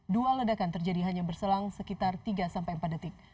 dua ledakan terjadi hanya berselang sekitar tiga sampai empat detik